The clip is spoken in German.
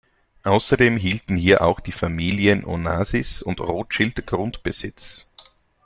Außerdem hielten hier auch die Familien Onassis und Rothschild Grundbesitz.